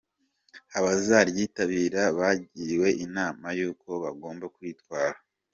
Abazaryitabira bagiriwe inama y’uko bagomba kwitwara.